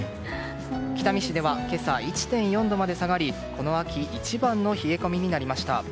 北見市では今朝１．４度まで下がりこの秋一番の冷え込みになりました。